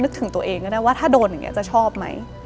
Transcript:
ถึงตัวเองก็ได้ว่าถ้าโดนอย่างนี้จะชอบไหม